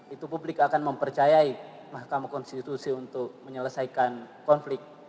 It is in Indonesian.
itu publik akan mempercayai mahkamah konstitusi untuk menyelesaikan konflik